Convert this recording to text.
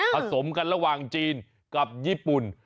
สมกันระหว่างจีนกับญี่ปุ่น